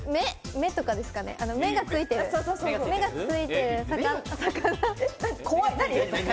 目とかですかね、目がついてる魚。